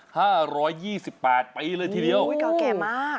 ก่าวแก่มาก